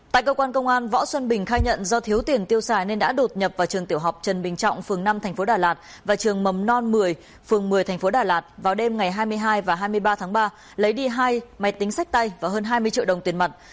tại cơ quan công an võ xuân bình khai nhận do thiếu tiền tiêu xài nên đã đột nhập vào trường tiểu học trần bình trọng phường năm tp đà lạt và trường mầm non một mươi phường một mươi tp đà lạt vào đêm ngày hai mươi hai và hai mươi ba tháng ba lấy đi hai máy tính sách tay và hơn hai mươi triệu đồng tiền mặt